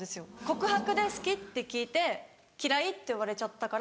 告白で「好き？」って聞いて「嫌い」って言われちゃったから。